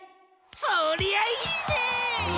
そりゃあいいねえ！